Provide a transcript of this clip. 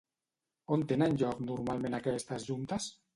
On tenen lloc normalment aquestes juntes?